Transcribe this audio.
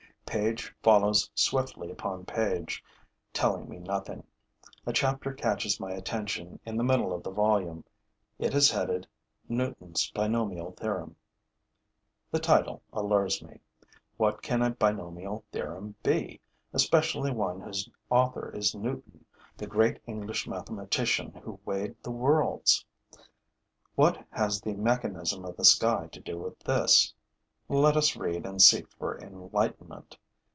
Page follows swiftly upon page, telling me nothing. A chapter catches my attention in the middle of the volume; it is headed, Newton's Binomial Theorem. The title allures me. What can a binomial theorem be, especially one whose author is Newton, the great English mathematician who weighed the worlds? What has the mechanism of the sky to do with this? Let us read and seek for enlightenment.